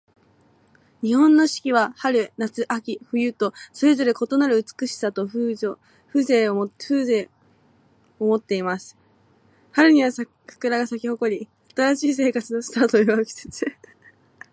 日本の四季は、春、夏、秋、冬とそれぞれ異なる美しさと風情を持っています。春には桜が咲き誇り、新しい生活のスタートを祝う季節です。夏は青空と海、そして花火大会が人々の心を躍らせ、秋には紅葉が山々を彩り、しっとりとした美しさを感じさせます。そして冬は雪が降り、温かい鍋料理と共に人々が家族や友人と共に過ごす時間が増え、心も体も温まる季節です。